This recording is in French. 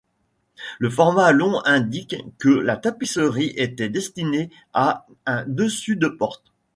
Le format long indique que la tapisserie était destinée à un dessus-de-porte.